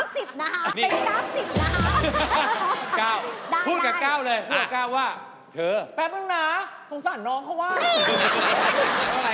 สิบเกือบในนี้โอเคปะ